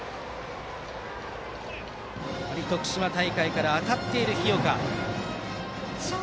徳島大会から当たっている日岡。